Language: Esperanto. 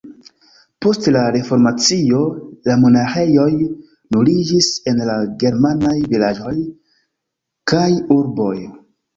Post la Reformacio la monaĥejoj nuliĝis en la germanaj vilaĝoj kaj urboj.